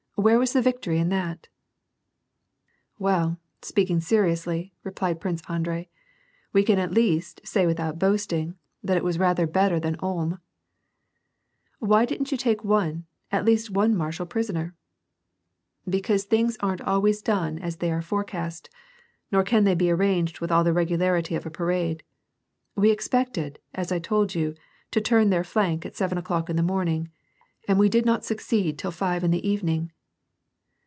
Where was the victory in that ?"" Well, spesiing seriously," replied Prince Andrei, " we can, at least, say without boasting, that it was rather better than Ulni." " Why didn't you take one, at least one marshal prisoner ?" "Because things aren't always done as they are forecast, nor cau they be arranged with all the regularity of a parade. We expected, 33 I told you, to turn their flank at seven o'clock in the morning, and we did not succeed till five in the even ing."